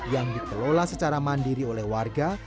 yang dikelola secara mandiri oleh warga